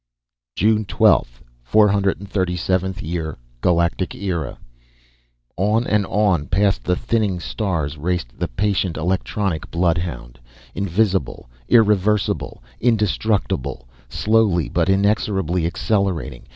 JUNE 12, 437th Year GALACTIC ERA On and on past the thinning stars raced the patient electronic bloodhound; invisible, irreversible, indestructible; slowly, but inexorably accelerating.